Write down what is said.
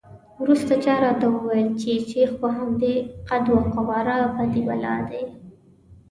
وروسته چا راته وویل چې شیخ په همدې قد وقواره بدي بلا دی.